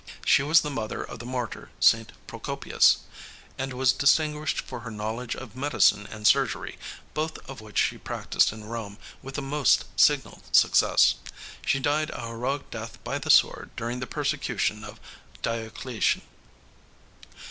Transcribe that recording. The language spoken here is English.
She was the mother of the martyr, St. Procopius, and was distinguished for her knowledge of medicine and surgery, both of which she practiced in Rome with the most signal success. She died a heroic death by the sword during the persecution of Diocletian.